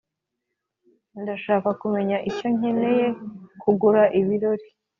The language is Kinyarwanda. ] ndashaka kumenya icyo nkeneye kugura ibirori.